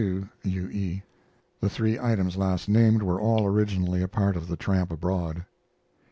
1882. U. E. (The three items last named were all originally a part of the TRAMP ABROAD.)